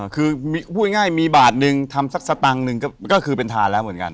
คือพูดง่ายมีบาทหนึ่งทำสักสตังค์หนึ่งก็คือเป็นทานแล้วเหมือนกัน